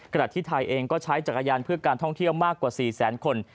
ที่ไทยเองก็ใช้จักรยานเพื่อการท่องเที่ยวมากกว่า๔แสนคน